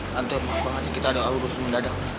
nanti emang banget nih kita ada urusan mendadak